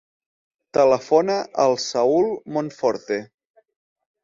Telefona al Saül Monforte.